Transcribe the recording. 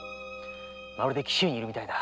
まるで紀州にいるみたいだ。